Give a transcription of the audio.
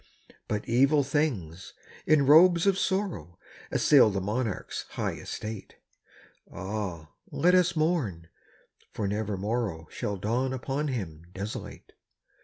But evil things, in robes of sorrow, Assailed the monarch's high estate. (Ah, let us mourn! for never morrow Shall dawn upon him desolate